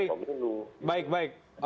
ya makasih dulu